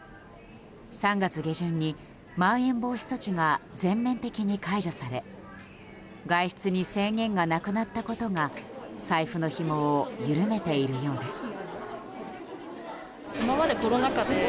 ３月下旬にまん延防止措置が全面的に解除され外出に制限がなくなったことが財布のひもを緩めているようです。